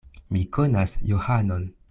Mi konas Johanon.